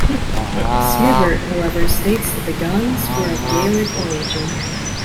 Smibert however states that the Gunns were of Gaelic origin.